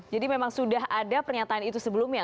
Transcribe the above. jadi memang sudah ada pernyataan itu sebelumnya